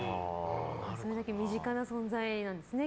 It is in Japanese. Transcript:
それだけ身近な存在なんですね。